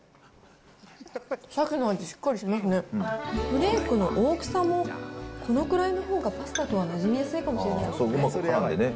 フレークの大きさも、このくらいのほうが、パスタとはなじみやすいかもしれないですね。